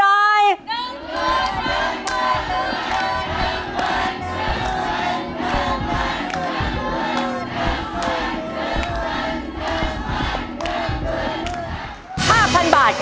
ถือว่าจะได้โบนัสหลังตู้หมายเลข๒ค่ะ